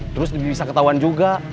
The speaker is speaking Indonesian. terus bisa ketahuan juga